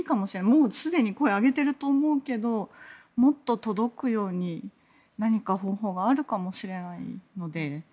もうすでに声を上げていると思うけどもっと届くように何か方法があるかもしれないので。